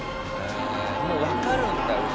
もうわかるんだ牛。